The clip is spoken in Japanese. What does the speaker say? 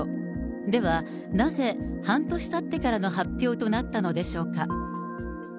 では、なぜ半年たってからの発表となったのでしょうか。